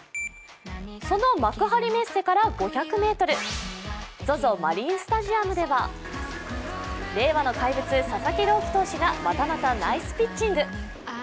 その幕張メッセから５００ｍ、ＺＯＺＯマリンスタジアムでは令和の怪物、佐々木朗希選手がまたまたナイスピッチング。